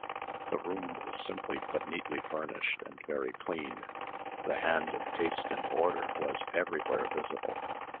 The room was simply but neatly furnished, and very clean. The hand of taste and order was everywhere visible.